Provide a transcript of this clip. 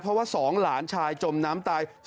เพราะว่า๒หลานชายจมน้ำตาย